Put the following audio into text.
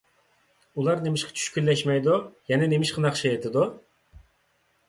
ئۇلار نېمىشقا چۈشكۈنلەشمەيدۇ؟ يەنە نېمىشقا ناخشا ئېيتىدۇ؟